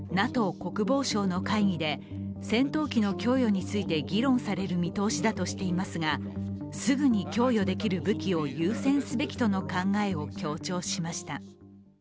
国防相の会議で戦闘機の供与について議論される見通しだとしていますがすぐに供与できる武器を優先すべきとの考えを強調しました。